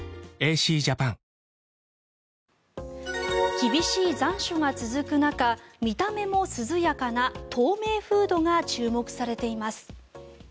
厳しい残暑が続く中見た目も涼やかな透明フードが注目されています。